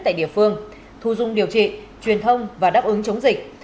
tại địa phương thu dung điều trị truyền thông và đáp ứng chống dịch